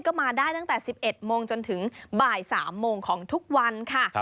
ก็มาได้ตั้งแต่๑๑โมงจนถึงบ่าย๓โมงของทุกวันค่ะ